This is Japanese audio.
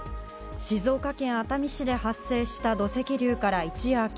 静岡県熱海市で発生した土石流から一夜明け